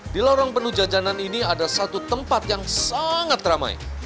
di lorong penuh jajanan ini ada satu tempat yang sangat ramai